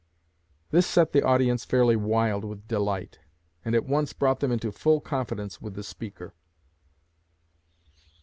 "' This set the audience fairly wild with delight, and at once brought them into full confidence with the speaker."